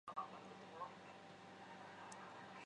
此理论可以帮助预测人与人之间的关系。